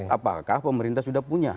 apakah pemerintah sudah punya